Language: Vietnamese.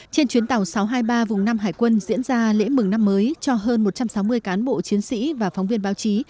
trên chuyến tàu sáu trăm hai mươi ba vùng nam hải quân diễn ra lễ mừng năm mới cho hơn một trăm sáu mươi cán bộ chiến sĩ và phóng viên báo chí